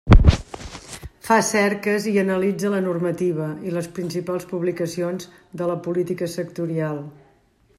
Fa cerques i analitza la normativa i les principals publicacions de la política sectorial.